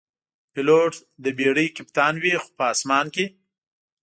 پیلوټ د بېړۍ کپتان وي، خو په آسمان کې.